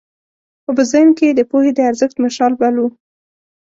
خو په ذهن کې یې د پوهې د ارزښت مشال بل و.